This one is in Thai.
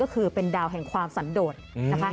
ก็คือเป็นดาวแห่งความสันโดดนะคะ